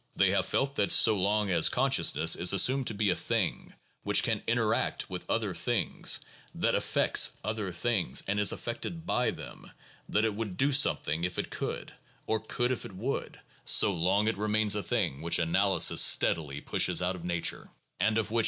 They have felt that so long as consciousness is assumed to be a thing which can interact with other things, that affects other things, and is affected by them, that it would do something if it could, or could if it would, so long it remains a thing which analysis steadily pushes out of nature, and of which No.